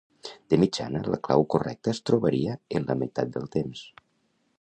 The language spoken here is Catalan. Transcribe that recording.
De mitjana, la clau correcta es trobaria en la meitat del temps.